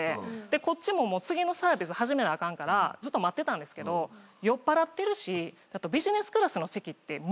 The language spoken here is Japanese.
こっちももう次のサービス始めなあかんからずっと待ってたんですけど酔っぱらってるしビジネスクラスの席ってむっちゃボタンあるんすよ。